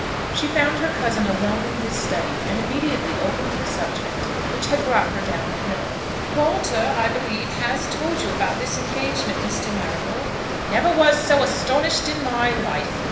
She found her cousin alone in his study, and immediately opened the subject which had brought her down the hill. "Walter, I believe, has told you about this engagement, Mr. Marrable." "Never was so astonished in my life!